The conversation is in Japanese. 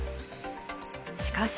しかし。